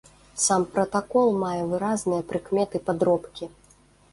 Сам пратакол мае выразныя прыкметы падробкі.